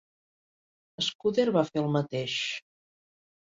Scudder va fer el mateix.